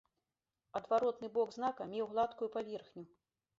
Адваротны бок знака меў гладкую паверхню.